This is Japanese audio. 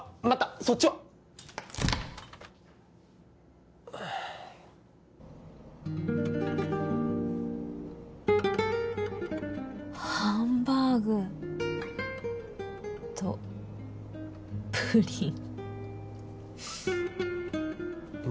そっちはハンバーグとプリンま